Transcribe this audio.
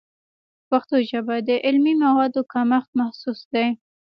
په پښتو ژبه کې د علمي موادو کمښت محسوس دی.